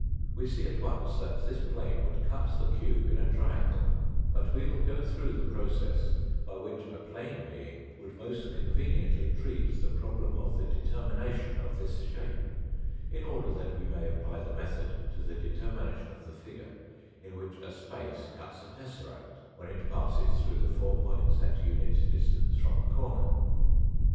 We see at once that this plane would cut the cube in a triangle, but we will go through the process by which a plane being would most conveniently treat the problem of the deter mination of this shape, in order that we may apply the method to the determination of the figure in which a space cuts a tesseract when it passes through the 4 points at unit distance from a corner.